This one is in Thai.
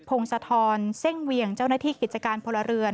พงศธรเซ่งเวียงเจ้าหน้าที่กิจการพลเรือน